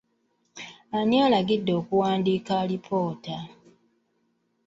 Ani alagidde okuwandiika alipoota?